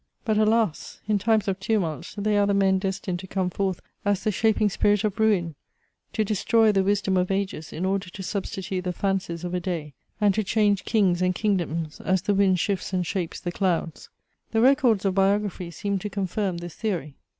But alas! in times of tumult they are the men destined to come forth as the shaping spirit of ruin, to destroy the wisdom of ages in order to substitute the fancies of a day, and to change kings and kingdoms, as the wind shifts and shapes the clouds . The records of biography seem to confirm this theory.